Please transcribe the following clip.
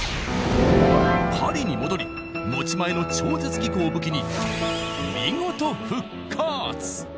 パリに戻り持ち前の超絶技巧を武器に見事復活！